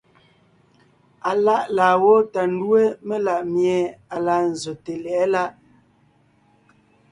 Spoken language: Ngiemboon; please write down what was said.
Aláʼ laa gwó tà ńdúe melaʼmie à laa nzsòte lyɛ̌ʼɛ láʼ.